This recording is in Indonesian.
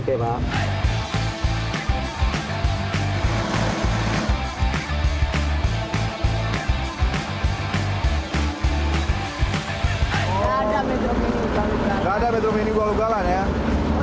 oh tidak ada metro mini gua lukalan